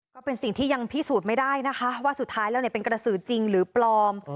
ก็เป็นสิ่งที่ยังพิสูจน์ไม่ได้นะคะว่าสุดท้ายแล้วเป็นกระสือจริงหรือปลอม